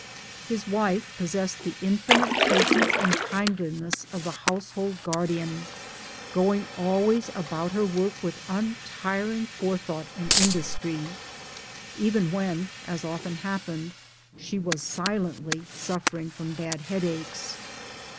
His wife possessed the infinite patience and kindliness of the household guardian going always about her work with untiring forethought and industry even when, as often hap MILLTHORPE AND HOUSEHOLD LIFE 151: pened, she was silently suffering from bad headaches.